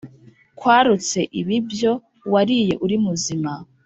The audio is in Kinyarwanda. kwarutse ibibyo wariye urimuzima.